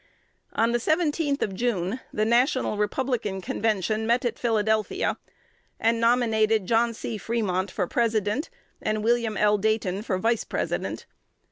On the 17th of June the National Republican Convention met at Philadelphia, and nominated John C. Fremont for President, and William L. Dayton for Vice President.